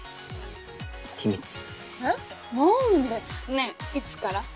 ねぇいつから？